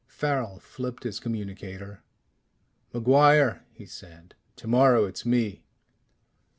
Farrel flipped his communicator. "MacGuire," he said. "Tomorrow it's me."